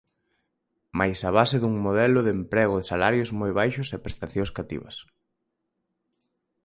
Mais a base dun modelo de emprego de salarios moi baixos e prestacións cativas.